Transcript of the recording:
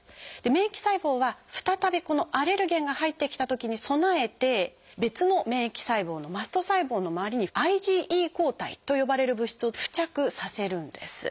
免疫細胞は再びこのアレルゲンが入ってきたときに備えて別の免疫細胞の「マスト細胞」の周りに「ＩｇＥ抗体」と呼ばれる物質を付着させるんです。